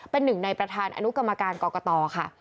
เป็นหนึ่งในประธานอนุกรรมการกรกตค่ะ